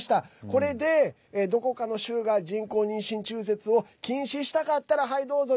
これで、どこかの州が人工妊娠中絶を禁止したかったらはい、どうぞ。